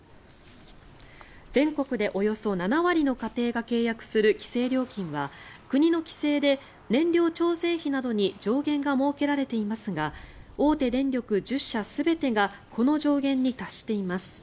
全国で、およそ７割の家庭が契約する規制料金は国の規制で燃料調整費などに上限が設けられていますが大手電力１０社全てがこの上限に達しています。